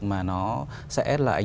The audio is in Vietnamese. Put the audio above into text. mà nó sẽ là